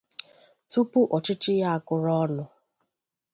tupu ọchịchị ya akụrụ ọnụ